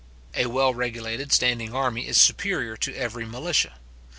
A well regulated standing army is superior to every militia.